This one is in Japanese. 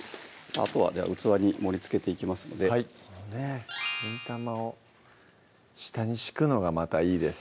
あとはじゃあ器に盛りつけていきますので新玉を下に敷くのがまたいいですよね